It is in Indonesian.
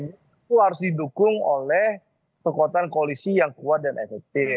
itu harus didukung oleh kekuatan koalisi yang kuat dan efektif